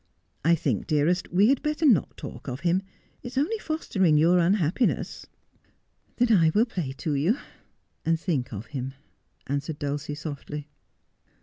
'I think, dearest, we had better not talk of him. It is only foster ing your unhappiness.' ' Then I will play to you— and think of him,' answered Dulcie softly.